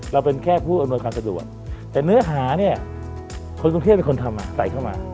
เป็นแค่ผู้อำนวยความสะดวกแต่เนื้อหาเนี่ยคนกรุงเทพเป็นคนทำใส่เข้ามา